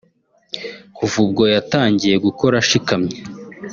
Kuva ubwo yatangiye gukora ashikamye